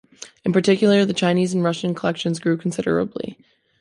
In particular, the Chinese and Russian collections grew considerably.